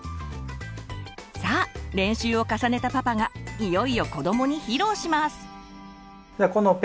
さあ練習を重ねたパパがいよいよ子どもに披露します。